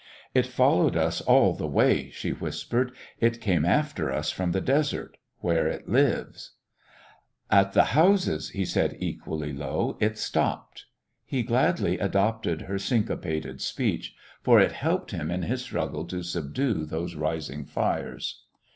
"It followed us all the way," she whispered. "It came after us from the desert where it lives." "At the houses," he said equally low, "it stopped." He gladly adopted her syncopated speech, for it helped him in his struggle to subdue those rising fires.